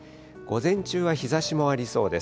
午前中は日ざしもありそうです。